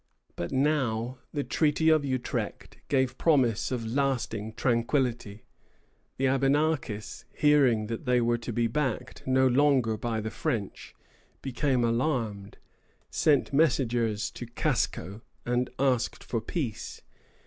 But now the Treaty of Utrecht gave promise of lasting tranquillity. The Abenakis, hearing that they were to be backed no longer by the French, became alarmed, sent messengers to Casco, and asked for peace.